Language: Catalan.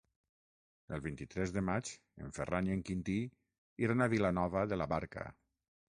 El vint-i-tres de maig en Ferran i en Quintí iran a Vilanova de la Barca.